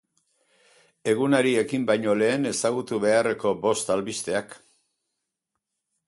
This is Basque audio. Egunari ekin baino lehen ezagutu beharreko bost albisteak.